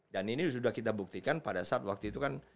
dan ini sudah kita buktikan pada saat waktu itu kan